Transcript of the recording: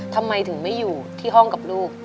ทำไมถึงไม่อยู่ที่ห้องกับลูก